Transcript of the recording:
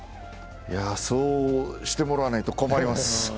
そうしてもらわないと困ります。